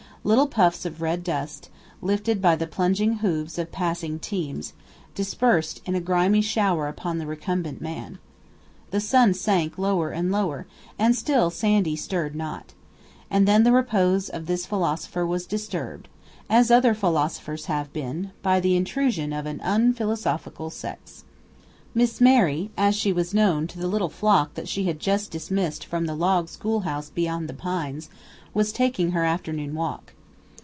Little puffs of red dust, lifted by the plunging hoofs of passing teams, dispersed in a grimy shower upon the recumbent man. The sun sank lower and lower; and still Sandy stirred not. And then the repose of this philosopher was disturbed, as other philosophers have been, by the intrusion of an unphilosophical sex. "Miss Mary," as she was known to the little flock that she had just dismissed from the log schoolhouse beyond the pines, was taking her afternoon walk.